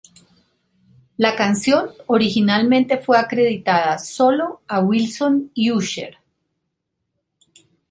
La canción originalmente fue acreditada sólo a Wilson y Usher.